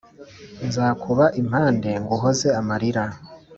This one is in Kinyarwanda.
Nzakuba impande nguhoze amarira